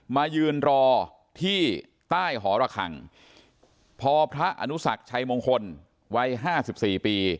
มายืนรอที่ใต้หอระคังพอพระอนุสักชัยมงคลวัยห้าสิบสี่ปี